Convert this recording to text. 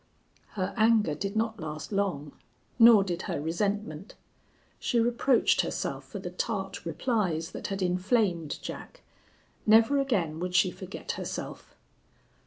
Her anger did not last long, nor did her resentment. She reproached herself for the tart replies that had inflamed Jack. Never again would she forget herself!